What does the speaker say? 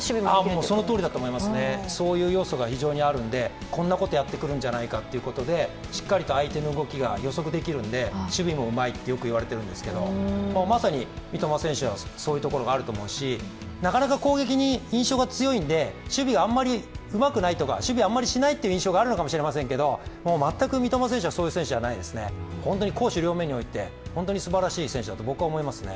もうそのとおりだと思いますね、そういう要素が非常にあって、こんなことをやってくるんじゃないかとしっかりと相手の動きが予測できるんで守備もうまいとよく言われているんですけれども、まさに三笘選手はそういうところがあると思いますしなかなか攻撃に印象が強いんで、守備があまりうまくないとか、守備はあまりしないという印象があるのかもしれないですけれども、全く三笘選手はそういう選手じゃないですね、本当に攻守両面において、すばらしい選手だと思いますね。